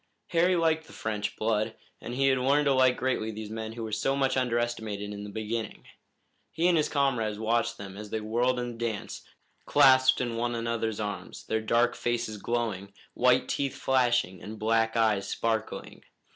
Harry liked the French blood, and he had learned to like greatly these men who were so much underestimated in the beginning. He and his comrades watched them as they whirled in the dance, clasped in one another's arms, their dark faces glowing, white teeth flashing and black eyes sparkling.